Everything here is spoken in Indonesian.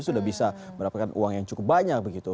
sudah bisa mendapatkan uang yang cukup banyak begitu